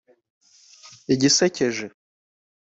Igisekeje